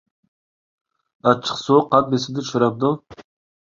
ئاچچىق سۇ قان بېسىمنى چۈشۈرەمدۇ؟